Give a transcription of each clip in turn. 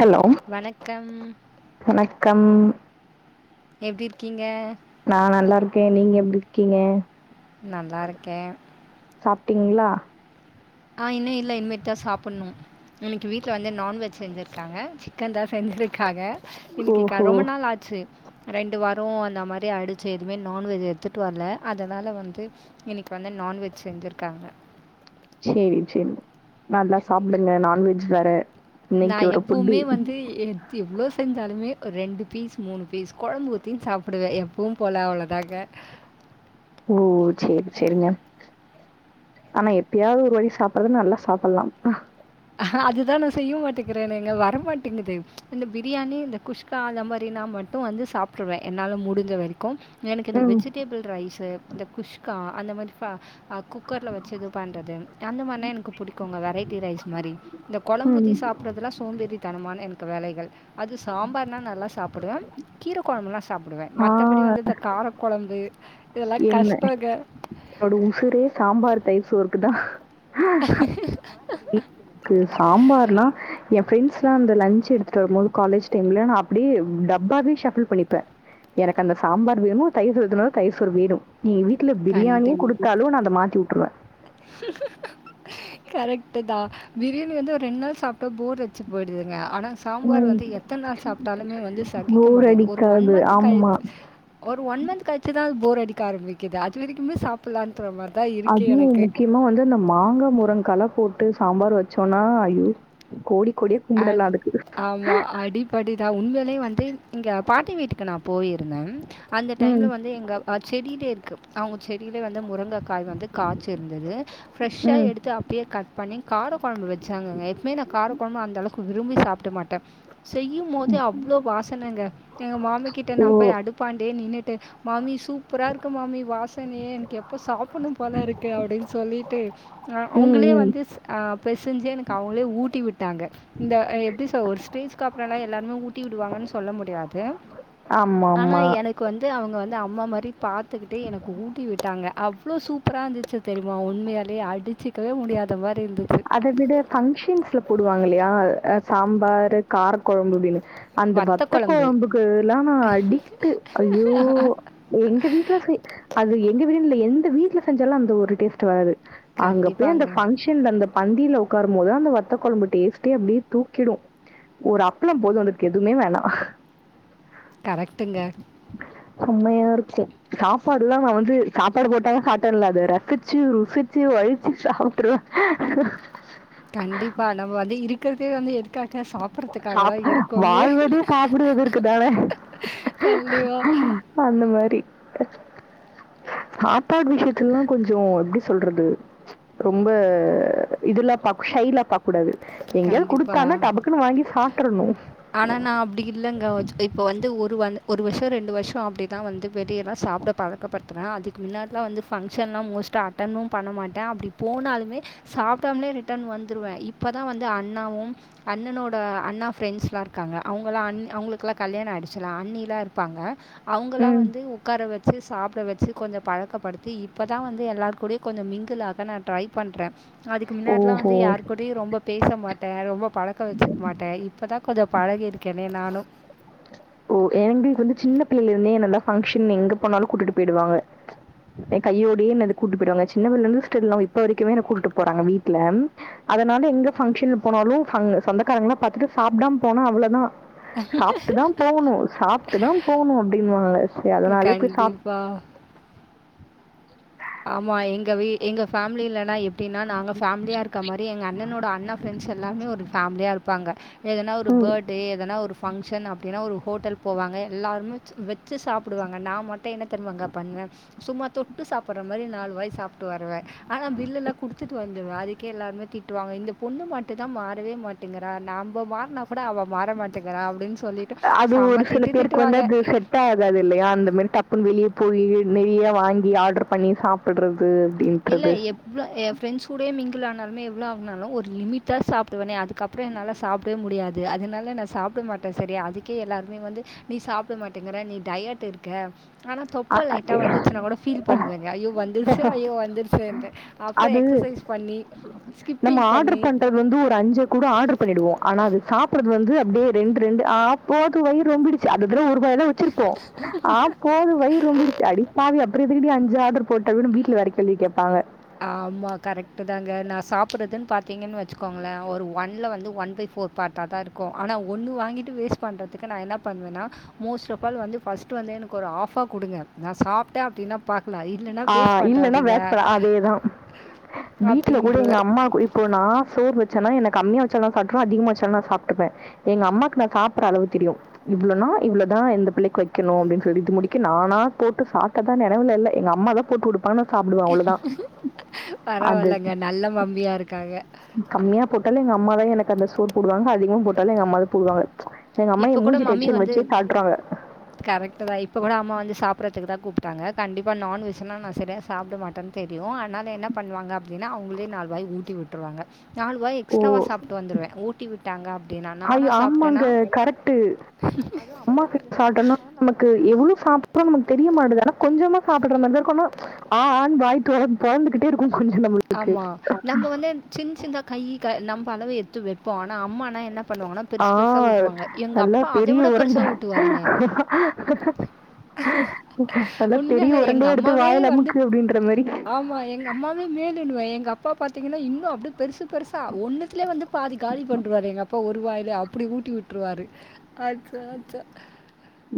Hello வணக்கம் வணக்கம் எப்படி இருக்கீங்க நான் நல்லா இருக்கேன் நீங்க எப்படி இருக்கீங்க நல்லா இருக்கேன் சாப்பிட்டீங்களா ஆஹ் இன்னு இல்லை இன்மே தான் சாப்பிட்ணும் இன்னைக்கு வீட்டில வந்து நான்வெஜ் செஞ்சுருக்காங்க சிக்கன் தான் செஞ்சுருக்காங்க இன்னிகிக்கா ஓஹோ ரொம்ப நாள் ஆச்சு ரெண்டு வாரோ அந்த மாதிரி ஆய்டிச்சு எதுவுமே நான்வெஜ் எடுத்துட்டு வரல அதனால் வந்து இன்னிக்கு வந்து நான்வெஜ் செஞ்சிருக்காங்க சேரி சேரி நல்லா சாப்பிடுங்க நான்வெஜ் வேற நா இன்னைக்கு ஒரு புட்டி எப்பவுமே வந்து எவ்ளோ செஞ்சாலுமே ஒரு ரெண்டு பீஸ் மூணு பீஸ் குழம்பு ஊத்தி சாப்டுவே எப்பவும் போல அவ்வளோதாங்க ஓ சேரி சேரிங்க ஆனா எப்பயாவது ஒரு வாட்டி சாப்படுறது நல்லா சாப்பிடலா ஆனா அதுதா நா செய்ய மாட்டேங்கிறேனேங்க வரமாட்டிங்குது இந்த பிரியாணி இந்த குஷ்கா அந்த மாறினா மட்டு வந்து சாப்ட்ருவே என்னால முடிஞ்ச வரைக்கும் எனக்கு இந்த ம் வெஜிடேபிள் ரைஸ்சு இந்த குஷ்கா அந்த மாரி குக்கர்ல வச்சு இது பண்றது அந்த மாரினா எனக்கு பிடிக்கும்ங்க வெரைட்டி ரைஸ் மாரி இந்த ம் கொழம்புத்தி சாப்பிறதுலா சோம்பேறி தனமான எனக்கு வேலைகள் அது சாம்பார்னா நல்லா சாப்பிடுவே கீரை கொழம்புன்னா சாப்பிடுவே ஆ மத்தபடி வந்து இந்த கார கொழம்பு என்ன என்னோட உசுரே சாம்பார் தயிர் சோருக்குதா [unintelligible] எனக்கு சாம்பார்ல்லா எ ஃப்ரெண்ட்ஸ்லா அந்த லஞ்சு எடுத்துட்டு வரும்போது காலேஜ் டைம்ல நா அப்டிய டப்பாவே ஷபிள் பண்ணிப்பே எனக்கு அந்த சாம்பார் வேணு தயிர்சோருதுனால தயிர்சோறு வேணு நீ எங்க வீட்ல பிரியாணியே கண்டிப் குடுத்தாலு நா அத மாத்தி விட்டுருவ கரெக்ட் தா பிரியாணி வந்து ஒரு ரெண்டு நாள் சாப்ட்டா போர் யடிச்சு போயிடுதுங்க ஆனா சாம்பார் ம். வந்து எத்த நாள் சாப்ட்டாலுமே வந்து சகிக்க மாட்டேங்குது ஒரு ஒன் மந்த் ஆம்மா கழிச்சு ஒரு ஒன் மந்த் கழிச்சுதா போர் அடிக்க ஆரம்பிக்குது அது வரைக்குமே சாப்பில்லான்னு மாத்துர மாரி தா இருக் அதுவா முக்கியோ இன்னு வந்து அந்த மாங்கா முருங்க்களா போட்டு சாம்பார் வச்சோம்னா ஐயயோ கோடி கோடியா கும்படல்லா அதுக்கு ஆமா அடிபடிதா உண்மையிலே வந்து இங்க பாட்டி வீட்டுக்கு நா போயிருந்தே அந்த ம், டைம்ல வந்து எங்க செடியிலே இருக்கு அவுங்க செடியில வந்து முருங்க முருங்ககாய் வந்து காய்சு இருந்தது ஃப்ரெஷ்சா ம். எடுத்து அப்ப ப்பே கட் பண்ணி கார கொழம்பு வச்சாங்கங்க எப்பவுமே நா கார கொழம்பு அந்தளவுக்கு விரும்பி சாப்ட்டமாட்டே செய்யு போதே அவ்ளோ வாசனங்க எங்க மாமி கிட்ட ஓ! நா போய் அடுப்பாண்டே நின்ட்டு மாமி சூப்பரா இருக்கு மாமி வாசனையே எனக்கு எப்ப சாப்பின்ணு போல இருக்கு அப்டின்னு சொல்லிட்டு ஆ ம், அவுங்களே ம். வந்து அ பெசஞ்சு எனக்கு அவுங்களே ஊட்டி விட்டாங்க இந்த எப்டி சொ ஒரு ஸ்டேஜ் அப்றோல்லா எல்லாருமே ஊட்டி விடுவாங்கன்னு சொல்ல முடியாது ஆனா ஆமாமா. எனக்கு வந்து அவுங்க வந்து அம்மா மாரி பாத்துக்கிட்டு எனக்கு ஊட்டி விட்டாங்க அவ்ளோ சூப்பரா இருந்துச்சு தெரியுமா உண்மையாலேயே அடிச்சுக்கவே முடியாத மாரி இருந்துச்சு அத விட பங்க்ஷன்ஸ்ல போடுவாங்க இல்லியா சாம்பாரு கார கொழம்பு அப்டின்னு அந்த வத்த கொழம்புக்குல்லா நா அடிக்ட் ஐயோ எங்க வீட்ல செய் அது எங்க வீடுனு இல்ல எந்த வீட்ல செஞ்சாலு அந்த ஒரு டேஸ்ட் வராது அங்க போய் அந்த கண்டிப்பாங்க ஃபங்க்ஷன்ல அந்த பந்தியில உக்காரும் போது அந்த வத்தக்க கொழம்பு டேஸ்ட்டே அப்டியே தூக்கிடு ஒரு அப்ளோ போது அதுக்கு எதுவுமே வேணா கரெக்டுங்க செமையா இருக்கு சாப்பாடு எல்லா நா வந்து சாப்பாடு போட்டா சாப்பிட்டல்லா அத ரசிச்சு ருசிச்சு வழிச்சு சாப்பிட்டுருவே [unintelligible] கண்டிப்பா நம்ம வந்து இருக்கிறதே வந்து எதுக்காக்க சாப் சாப் வாழ்வதே சாப்பிடுவதற்க்கு தானே கண்டிப்பாக அந்த மாரி சாப்பாடு விஷியத்துல்ல கொஞ்சோ எப்டி சொல்றது ரொம்ப இதுல்லா பாக் ஷைலா பாக் ககூடாது எங்கயாவுது கண்டிப்பா. குடுத்தானா டபுக்குன்னு வாங்கி சாப்ட்டறணு ஆனா நா அப்டி இலங்க இப்ப வந்து ஒரு ஒரு வருஷோ ரெண்டு வருஷோ அப்டிதா வந்து வெளியெல்லா சாப்டக் பழக்கப்படுத்துற அதுக்கு மின்னாடில்லா வந்து ஃபங்க்ஷன்லா மோஸ்ட்டா அட்டென்னு பண்ண மாட்டே அப்டி போனாலுமே சாப்டாமலே ரிட்டன் வந்துருவ இப்பதா வந்து அண்ணாவு அண்ணனோட அண்ணா ஃப்ரெண்ட்ஸ்லாருக்காங்க அவுங்களா அண் அவுங்ளுக்லா கல்யாணோ ஆய்டுச்சுலா அண்ணிலாருப்பாங்க அவுங்களா ம். வந்து உக்கார வச்சு சாப்ட வச்சு கொஞ்சோ பழக்கப்படுத்தி இப்ப தா வந்து எல்லார் கூடயு கொஞ்சோ மிங்குளாக நா ட்ரை பண்றே அதுக்கு முன்னாட்ல்லா ஓஹோ! வந்து யார் கூடயு ரொம்ப பேச மாட்டே ரொம்ப பழக்கோ வச்சுக் மாட்டே இப்பதா கொஞ்சொ பழகிருக்கேனே நானு ஓ ஏங்ளுக் வந்து சின்ன பிள்ளைலருந்தே என்னல்லா ஃபங்ஷன் எங்க போனாலு கூட்டிட் போய்டுவாங்க எ கையோடயே என்னது கூட்டு போய்டுவாங்க சின்ன பிள்ளலந்து ஸ்டில்நவ் இப்ப வரைக்குமே என்ன கூட்டுட்டு போறாங்க வீட்ல அதனால எங்க ஃபங்ஷனுக் போனாலு ஃப சொந்தக்காரங்ளா பாத்துட்டு சாப்டாம போனா அவ்ளதா ப்ட்டு தா போவனு சாப்ட்டு தா போனு அப்டின்வாங்க சே அதனாலே போய் சாப் வா ஆமா எங்க வீ எங்க ஃபேம்லிலனா எ ப்டினா நாங்க ஃபேம்லியாருக்க மாரி எங்க அண்ணனோட அண்ணா ஃப்ரெண்ட்ஸ் எல்லாமே ஒரு ஃபேம்லியாருப்பாங்க எதன்னா ஒரு ம். பேட் டே எதனா ஒரு ஃபங்ஷன் அப்டின்னா ஒரு ஹோட்டல் போவாங்க எல்லாருமேச்சு வச்சு சாப்டுவாங்க நா மட்டு என்ன தெர்மாங்க பண்வே சும்மா தொட்டு சாப் புற மாரி நாலுவாய் சாப்ட்டு வருவே ஆனா பில்லெல்லா குடுத்துட்டு வந்துருவே அது க்கே எல்லார்மே திட்டுவாங்க இந்த பொண்ணு மட்டு தா மாறவே மாட்டேங்கிறா நாம்ப மாற்னா கூட அவ மாற மாட்டேக்கிறா அப்டின் சொல்லிட்டு செம திட்டு திட்டுவாக காதாது இல்லயா அந்த மாரி டப்புன் வெளிய போயி நெறிய வாங்கி ஆட்ரு பண்ணி சாப் புட்றது அப்டின்ட்றது எவ்ள எ ஃப்ரெண்ட்ஸ் கூடே மிங்கிள் ஆனால்மே எவ்ளோ வாங்னாலு ஒரு லிமிட்டா சாப்டுவனே அதுக்க ப்றோ என்னால சாப்டே முடியாது அதனால நா சாப்ட மாட்டே செரி அதுக்கே எல்லாருமே வந்து நீ சாப்ட மாட்டேங்கிற நீ டயட்ருக்க ஆனா அ தொப்ப லைட்டா அது வந்துச்சுன்னா கூட ஃபீல் பண்வேங்க ஐயோ வந்துருச்சு ஐயோ வ ச்சேன்ட்டு அப்றோ அது எக்ஸசைஸ் பண்ணி ஸ்கிப்பிங் பண்ணி அது வந்து ஒரு அஞ்ச கூட ஆட்ரு பண்ணிடுவோ ஆனா அது சாப்புறது வந்து அப்டே ரெண்ரெண்டு ஆ போது வய்றொம்பிரு ச்சு அதுக்குனு ஒருபாய வச்சிருப்போ ஆ போது வய் ரொம்பிடுச்சு அடிப்பாவி அப்றோ எதுக்குடி அஞ்சு ஆர்டர் போட்ட அப்டினு வீட்ல வேற கேள்வி கேப்பாங்க ஆமா கரெக்ட்டு தாங்க நா சாப்புறதுன் பாத்தீங்கன் வச்சுக்கோங்ளே ஒரு ஒன்ல வந்து ஒன் பை ஃபோர் பார்ட்டா தாருக்கு ஆனா ஒன்னு வாங்கிட்டு வேஸ்ட் பண்றதுக்கு நா என்ன பண்வேணா மோஸ்ட்ஃப் ஆல் வந்து ஃபஸ்ட்டு வந்து எனக்கு ஒரு ஆஃபா குடுங்க நா சாப்ட்டே அப்டினா பாக்லா இல்லன்னா வேஸ்ட் பண்றாதீங்க இதா வீட்ல கூட அப்டின்ருவேன். எங்கம்மா கூ இப்போ நா சோற் வச்சேனா என கம்மியா வச்சாலு சாப்ட்ருவே அதிகமா வச்சாலு நா சாப்ட்டுப்பே எங்கம்மாக்கு நா சாப்புற அளவு தெரியு இவ்ளனா இவ்ளதா இந்த பிள்ளக்கி வெக்கனு அப்டின் சொல்லி இது முடிக்க நானா போட்டு சாப்ட்டதா நெனைவுல இல்ல எங்க அம்மா தா போட்டுவுடு தானா சாப்டுவே பரவால்லங்க நல்ல மம்மியாருக்காங்க கம்மியா போட்டாலு எங்க அம்மாதா எனக்கந்த சோற் போடுவாங்க அதிகமா போட்டாலு எங்க அம்மாதா போடுவாங்க எங்கம்மா இப்போ எ கூட மூஞ்சு மம்மி டென்ஷன் வந்து வச்சே காட்றாங்க கரெக்ட்டு தா இப்ப கூட அம்மா வந்து சாப்புறதுக்கு தா கூப்ட்டாங்க கண்டிப்பா நான்வெஜ்னா நா செரியா சாப்டமாட்டன் தெரியு ஆனால என்ன பண்வாங்க அப்டின்னா அவுங்ளே நால் வாய் ஊட்டி வுட்ருவாங்க நாலுவாய் ஓ! எக்ஸ்ட்டாவா சாப்ட்டு வந்துருவே ஊட்டி விட்டாங்க அப்டின்னா ஐயோ! நானா சாப்ட்டென்னா ஆமாங்க. கரெக்ட்டு. அது அம்மா கைல சாப்ட்டொனா நமக்கு எவ்ளோ சாப்றோ நமக்கு தெரிய மாட்டுது ஆனா கொஞ்சமா சாப்டுற மாரி தா இருக்கு ஆனா ஆ ஆன் வாய் தொ பொளந்துகிட்டே இருக்கு கொஞ்சோ நம்மளுக்கு வந்து சின் சின்தா கையி நம்ம அளவு எடுத்து வைப்போ ஆனா அம்மானா என்ன பண்ணுவாங்கன்னா ஆ பெருசு பெருசா ஊட்டுவாங்க எங்க நல்லா அப்பா அத பெரிய விட உருண்ட பெருசா ஊட்டுவாருங்க நல்லா பெரிய உண்மயால எங்க உருண்டையா எடுத்து அம்மாவே வாயில வந்து அமுக்கு அப்டின்ற மாரி ஆமா எங்க அம்மாவே மேலுன்னுவ எங்க அப்பா பாத்தீங்கன்னா இன்னு அப்டி பெருசு பெருசா ஒன்னுத்லே வந்து பாதி காலி பண்ருவாரு எங்க அப் பா ஒருவாயில அப்டி ஊட்டி விட்டுருவாரு அச்சோ அச்சோ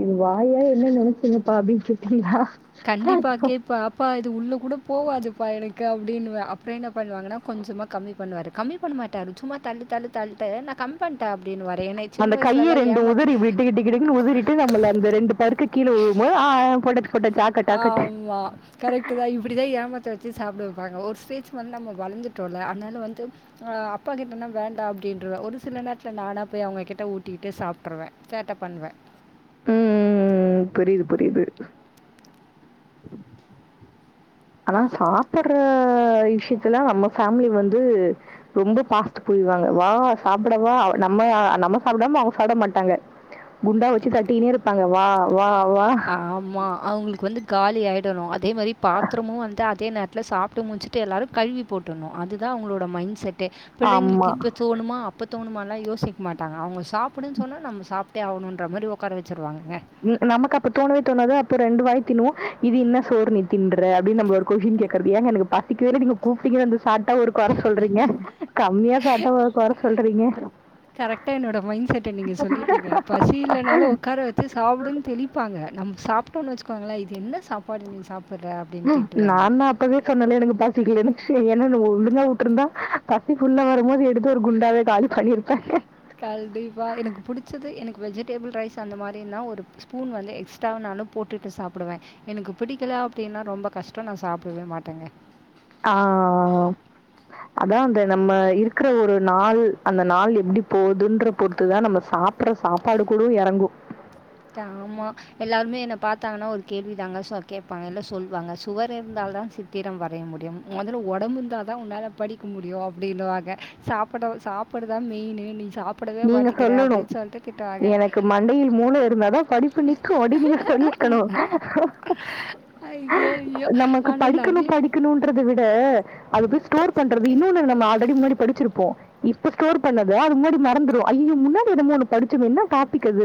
இது வாயா என்ன நெனச்சிங்கப்பா அப்டின்னு கேட்டியா கண்டிப்பா கேப் ப்ப அப்பா இது உள்ள கூட போவாதுப்பா எனக்கு அப்டின்னுவ அப்புறோ என்ன பண்ணுவாங்கன்னா கொஞ்சமா கம்மி பண்ணுவாரு கம்மி பண்ண மாட்டாரு சும்மா தள்ளு தள்ளு தள்ட்டு நா கம்மி பண்ட்டே அப்டின் வாரு என்னய சின்ன வயசுலல்லா ஏமாத் கிடு கிடுக்னு உதிரிட்டு நம்ள அந்த ரெண்டு பருக்க கீழ உழும் போது ஆ ஆ போட்டாச்சி போட்டாச்சி ஆமா கரெக்ட் தா இப்டிதா ஏமத்த வச்சு சாப்ட வெப்பாங்க ஒரு ஸ்டேஜ் வந்து நம்ம வளர்ந்துட்டோல அதனால வந்து ஆ அப்பா கிட்டனா வேண்டா அப்டின்றுவே ஒரு சில நேரத்துல நானா போய் அவுங்க கிட்ட ஊட்டிகிட்டு சாப்ட்ருவே சேட்ட பண்ணுவ ம் ம் ம் புரிது புரிது ஆனா சாப்புற விஷ்யத்துல நம்ம ஃபேம்லி வந்து ரொம்ப ஃபாஸ்ட் போய்ருவாங்க வா சாப்டவா நம்ம நம்ம சாப்டாம அவுங்க சாப்ட மாட்டாங்க குண்டா வச்சு தட்டினே இருப்பாங்க வா வா வா ஆமா அவுங்களுக்கு வந்து காலி ஆயிடணு அதே மாரி பாத்ரமு வந்து அதே நேரத்துல சாப்ட்டு முச்சு ட்டு எல்லாரு கழுவி போட்றணு அதுதா அவுங்களோட மைண்ட் செட்டே ஆமா. பிள்ளைங்ளுக்கு இப்ப தோணுமா அப்ப தோணுமாலா யோசிக்கமாட்டங்க அவுங்க சாப்டுன்னு சொன்னா நம்ம சாப் ட்டே ஆவுனுன்ற மாரி ஒட்கார வச்சிருவாங்கங்க நமக்கு அப்ப தோணவே தோணாது அப்ப ரெண்டு வாய் திண்ணுவோ இது என்ன சோர் நீ தின்ற அப்டின்னு நம்மள ஒரு கொஸ்டின் கேக்றது ஏங்க எனக்கு பசிக்கவே இல்ல நீங்க கூப்டிங்கன் வந்து சாப்டா கொற சொல்றீங்க கம்மியா சாப்ட்டா ஒரு கொற சொல்றீங்க கரெக்டா என்னோட மைண்ட் செட்ட நீங்க சொல்லிட்டீங்க பசி இல்லனாலு ஒக்கார வச் ச்சி சாப்டுன்னு தெளிப்பாங்க நம்ம சாப்ட்டோன்னு வச்சுக்கோங்களே இது என்ன சாப்பாடு நீ சாப்புட்ற ம் நான்தா அப் ப்பவே சொன்னல எனக்கு பசிக்லனு ஏனா நீ ஒழுங்கா உட்டுருந்தா பசி ஃபுல்லா வரும்போது எடுத்து ஒரு குண்டாவே காலி பண்ணிருப்ப கண்டிப்பா எனக்கு புடிச்சது எனக்கு வெஜிடேபிள் ரைஸ் அந்த மாரின்னா ஒரு ஸ்பூன் வந்து எக்ஸ்ட்ரா நானு போட்டுட்டு சாப்டுவே எனக்கு பிடிக்கல அப்டின்னா ரொம்ப கஷ்ட நா சாப்டவே மாட்டேங்க ஆ அதா அந்த நம்ம இருக்கிற ஒரு நாள் அந்த நாள் எப்டி போதுன்ற பொறுத்துதா நம்ம சாப் ப்புற சாப்பாடு கூட எறங்கு ஆமா எல்லாருமே என்ன பாத்தாங்கன்னா ஒரு கேள்வி தாங்க ச கேட்பாங்க இல்ல சொல்வாங்க சுவர் இருந்தால்தா சித் திரம் வரைய முடியும் மொதல்ல ஒடம்பு இருந்தாதா ஒன்னால படிக்க முடியு அப்டின்னுவாங்க சாப்ட சாப்டதா மெயினு நீ சாப் நீங்க சொல்லணு எனக்கு மண்டையில் மூள இருந்தாதா படிப்பு நிக்கு அப்டி நீங்க சொல்லிருக்கணு ஐய்யோ ஐயோ ஆனா நா க்குனு படிக்கணுன்றத விட அதுக்கு ஸ்டோர் பண்றது இன்னொன்னு நம்ம ஆல்ரெடி முன்னாடி படிச்சிருப்போ இப்ப ஸ்டோர் பண்ணது அது முன்னாடி மறந்து டு ஐய்யோ முன்னாடி என்னமோ ஒன்னு படுச்சது என்ன டாபிக் அது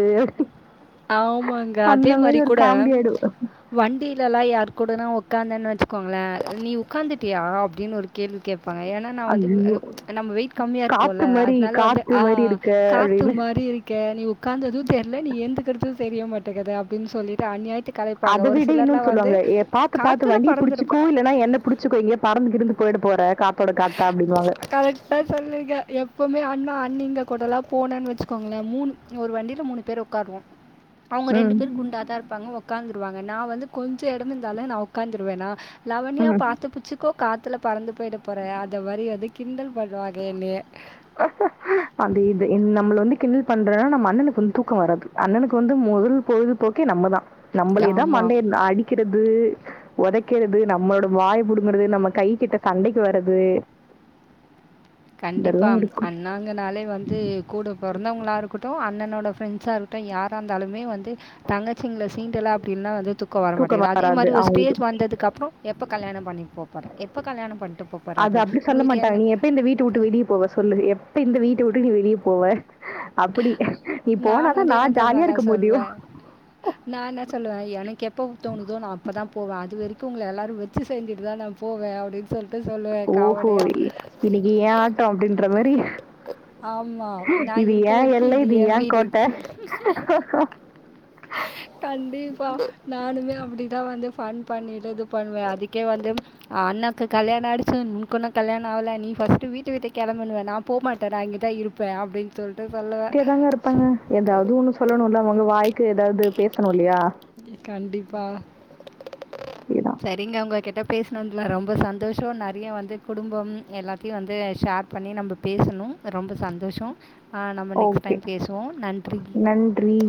ஆமாங்க அதே அந்த மாரி ஒரு கூட காமெடி ஆயிடும். வண்டியில எல்லா யாரு கூடனா உக்காந்தேனு வச்சுக்கோங்களே நீ உக்காந்துட்டு யா அப்டின்னு ஒரு கேள்வி கேப்பாங்க ஏனா நா வந்து ஐயோ! நம்ம வெயிட் கம்மியா காத்து இருக்கோல மாரி, அதுனால வந்து காத்து ஆ மாரி இருக்க காத்து அப்படின்னு. மாரி இருக் கே நீ உக்காந்தது தெர்ல நீ எந்துக்கறது தெர்ய மாட்டேங்கது அப்டின்னு சொல்லிட்டு அநியாயத் அத விட இன்னுன்னு சொல்லுவாங்க பாத்து பாத்து "காத்துல வண்டிள புடுச்சுக்கோ பறந்துருப்ப." இல்லென்னா என்ன புடுச்சுக்கோ எங்கயாது பறந்து கேறந்து போயிட போற காத்தோட காத்தா அப்டின்னுவாங்க கரெக்டா சொல்லிருக்க எப்பமே அண்ணா அண்ணிங்க கூடலா போனேன்னு வச்சுக்கோங்களே மூணு ஒரு வண்டியில மூணு பேரு உக்காருவோ அவ்ங்க ரெண்டு ம். பேரு குண்டாதா இருப்பாங்க உக்காந்துருவாங்க நா வந்து கொஞ்சோ எடந்துருந்தாலு நா உக்காந்துருவேன்னா லவனியா ம். பாத்து பிச்சுக்கோ காத்துல பறந்து போய்ட போற அ மாதிரி வந்து கிண்டல் பண்ணுவாங்க என்னய அது இது நம்மள வந்து கிண்ணல் பண்றனா நம்ம அண்ணனுக்கு வந்து தூக்கோ வராது அண்ணனுக்கு வந்து முதல் பொழுதுபோக்கே நம்மதா நம்மளேதா ஆமா மண்டைய அடி கிறது உதைக்கிறது நம்மளோட வாய புடுங்கறது நம்ம கை கிட்ட சண்டைக்கி வர்றது இதெல்லாம் கண்டிப்பாம் இருக்கும். அன் நாங்கனாலே வந்து கூட பொறந்தவ்ங்களா இருக்கட்டு அண்ணனோட ஃப்ரெண்ட்ஸா இருக்கட்டு யாரா இருந்தாலுமே வந்து தங்கச்சிங்கள சீண்டல்ல அப்டின்னா அதுது கோ வர தூக்கம் மாட்டேங்கது அதே வராது மாரி அவங்களுக்கு. ஸேஜ் வந்ததுக்கப்புறோ எப்ப கல்யாண பண்ணிக் போற எப்ப கல்யாணம் பண் அது அப்டி சொல்ல மாட்டாங்க நீ எப்ப இந்த வீட்ட வுட்டு வெளிய போவ சொல்லு எப்ப இந்த வீட்ட வுட்டு நீ வெளிய போவ அப்டி நீ நான் போனாதா நா ஜாலியா இருக்க முடியு நா என்ன சொல்லுவே எனக்கு எப்ப தோணுதோ நா அப்பதாம் போவே அது வரைக்கு உங்க எல்லாரு வச்சு செஞ்ச்ட்டு தா நா போவே அப்டின்னு சொல்லி ஓஹோ இன்னக்கி ஏ ஆட்டம் அப்டின்ற மாரி ஆமா. நான் இது இருக்க ஏ வரைக்கும் எல்லை இது என் ஏங் வீடு. கோட்ட கண்டிப்பா நானுமே அப்டி தா வந்து ஃபன் பண்ணிட்டு இது பண்ணுவே அதுக்கே வந்து அண்ணாகு கல்யணோ ஆய்டுச்சுனூக்கென்ன கல்யாணோ ஆவ்ல நீ ஃபஸ்ட்டு வீட்ட விட்டு கிளம்பண்ணுவ நா போவ்மாட்டே நா இங்க தா இருப்ப அப்டின்னு சொல்ட்டு சொல்லு அப்டியேதாங்க இருப்பாங்க ஏதாவ்து ஒன்னு சொல்லணு இல்ல அவ்ங்க வாய்க்குதாவ்து பேசணு இல்லயா கண்டிப்பா அதேதான். செ நீங்க அவ்ங்ககிட்ட பேசினதுல ரொம்ப சந்தோஷோ நெறைய வந்து குடும்பம் எல்லாத்தையு வந்து ஷேர் இது பண்ணி நம்ம பேசணு ரொம்ப சந்தோஷோ நம்ம நெக்ஸ்ட் ஓகே. டைம் பேசுவோ நன்றி நன்றி